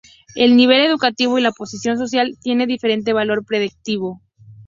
El nivel educativo y la posición social tiene diferente valor predictivo.